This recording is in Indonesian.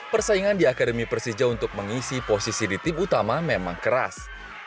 persaingan di akademi persija untuk mengisi posisi di tim utama memang keras